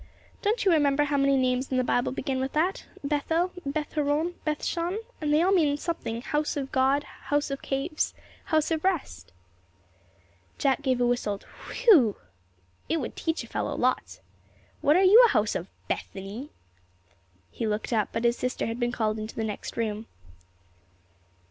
Don't you remember how many names in the Bible begin with that Beth el, Beth horon, Beth shan they all mean house of something; house of God, house of caves, house of rest." Jack gave a whistled "whe ew!" "It would teach a fellow lots. What are you a house of, Beth any?" He looked up, but his sister had been called into the next room.